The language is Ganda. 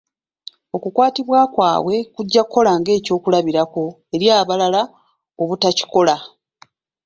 OKukwatibwa kwabwe kujja kukola nga eky'okulabirako eri abalala obutakikola.